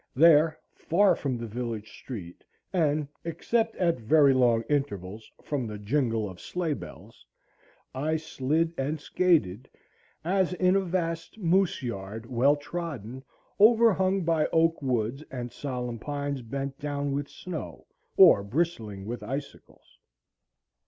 There, far from the village street, and except at very long intervals, from the jingle of sleigh bells, I slid and skated, as in a vast moose yard well trodden, overhung by oak woods and solemn pines bent down with snow or bristling with icicles.